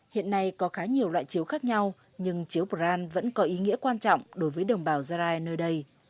hiện nay có khá nhiều loại chiếu khác nhau nhưng chiếu brand vẫn có ý nghĩa quan trọng đối với đồng bào gia rai nơi đây